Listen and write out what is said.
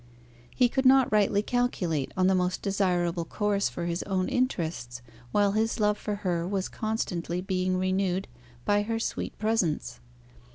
He could not rightly calculate on the most desirable course for his own interests, while his love for her was constantly being renewed by her sweet presence.